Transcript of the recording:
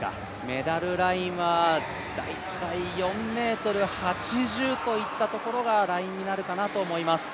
メダルラインは大体４ｍ８０といったところがラインになるかなと思います。